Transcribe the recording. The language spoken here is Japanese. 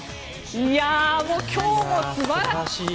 もう今日も素晴らしい。